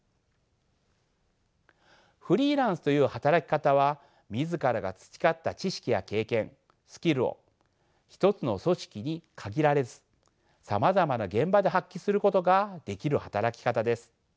フリーランスという働き方は自らが培った知識や経験スキルを一つの組織に限られずさまざまな現場で発揮することができる働き方です。